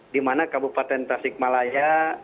di mana kabupaten trafik malaya